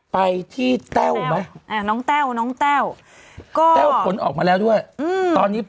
ไปที่แต้วไหมน้องแต้วน้องแต้วก็แต้วผลออกมาแล้วด้วยตอนนี้